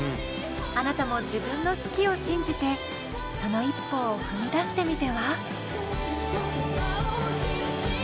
あなたも自分の好きを信じてその一歩を踏み出してみては？